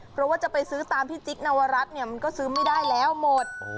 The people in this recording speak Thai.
เพราะว่าจะไปซื้อตามพี่จิ๊กนวรัฐเนี่ยมันก็ซื้อไม่ได้แล้วหมด